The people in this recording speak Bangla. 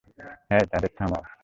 হেই, তাদের থামাও।